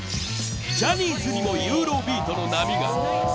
ジャニーズにもユーロビートの波が。